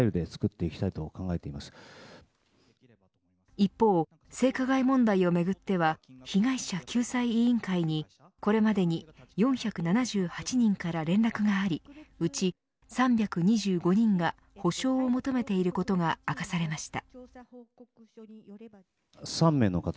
一方、性加害問題をめぐっては被害者救済委員会にこれまでに４７８人から連絡がありうち３２５人が補償を求めていることが明かされました。